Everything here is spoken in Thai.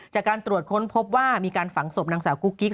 จากการตรวจค้นพบว่ามีการฝังศพนางสาวกุ๊กกิ๊ก